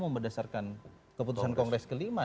membedasarkan keputusan kongres kelima